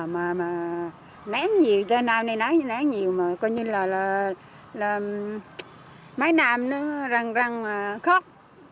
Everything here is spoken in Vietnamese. mà nắng nhiều cho nên là nắng nhiều coi như là mấy năm nó răng răng khóc